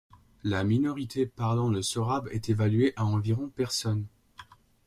La minorité parlant le sorabe est évaluée à environ personnes.